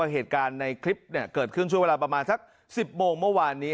เหตุการณ์ในคลิปเกิดขึ้นช่วงเวลาประมาณสัก๑๐โมงเมื่อวานนี้